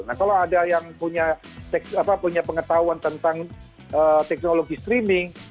nah kalau ada yang punya pengetahuan tentang teknologi streaming